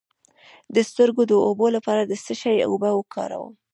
د سترګو د اوبو لپاره د څه شي اوبه وکاروم؟